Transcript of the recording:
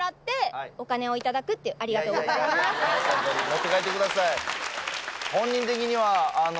持って帰ってください